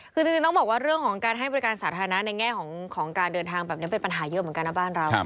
คือจริงต้องบอกว่าเรื่องของการให้บริการสาธารณะในแง่ของการเดินทางแบบนี้เป็นปัญหาเยอะเหมือนกันนะบ้านเรา